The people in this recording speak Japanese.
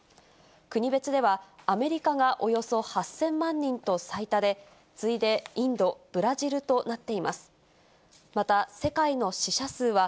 国別では、アメリカがおよそ８０００万人と最多で、次いでインド、ブラジル全国の皆さん、こんばんは。